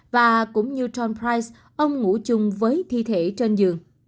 và cũng như john prights ông ngủ chung với thi thể trên giường